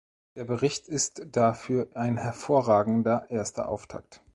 Der Bericht ist dafür ein hervorragender erster Auftakt.